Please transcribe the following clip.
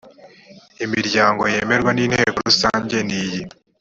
imiryango yemerwa n inteko rusange niyi